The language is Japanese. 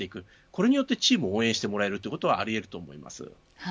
これによってチームを応援してもらえるということはあり得ると思います。